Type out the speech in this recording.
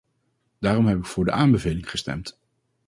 Daarom heb ik voor de aanbeveling gestemd.